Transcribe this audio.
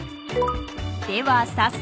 ［では早速］